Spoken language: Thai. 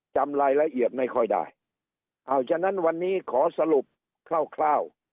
จำรายละเอียดไม่ค่อยได้อ้าวฉะนั้นวันนี้ขอสรุปคร่าว